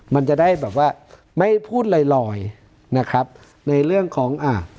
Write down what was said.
มันจะได้แบบว่าไม่พูดลอยลอยนะครับในเรื่องของอ่ะ